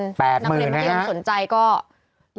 ๘๐๐๐๐นะฮะนักเรียนสนใจก็แปดมือนะฮะ